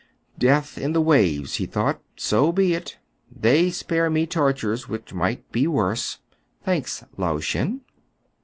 " Death in the waves !*' he thought. " So be it ! They spare me tortures which might be worse. Thanks, Lao Shen